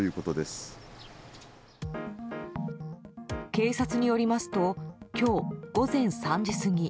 警察によりますと今日午前３時過ぎ